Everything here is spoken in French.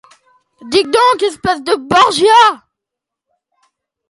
Dites donc, espèce de Borgia !